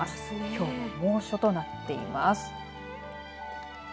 きょうも猛暑となっています。